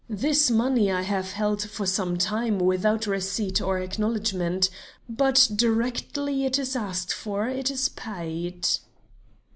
This money I have held for some time without receipt or acknowledgment; but directly it is asked for it is paid."